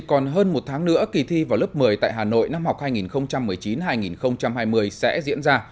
còn hơn một tháng nữa kỳ thi vào lớp một mươi tại hà nội năm học hai nghìn một mươi chín hai nghìn hai mươi sẽ diễn ra